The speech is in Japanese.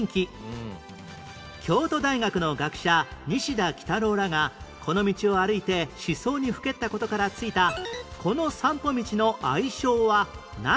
京都大学の学者西田幾多郎らがこの道を歩いて思想にふけった事から付いたこの散歩道の愛称はなんの道？